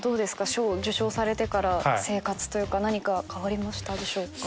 賞を受賞されてから生活というか何か変わりましたでしょうか？